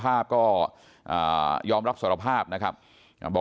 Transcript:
ฝ่ายกรเหตุ๗๖ฝ่ายมรณภาพกันแล้ว